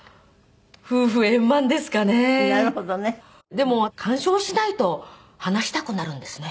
でも干渉しないと話したくなるんですね。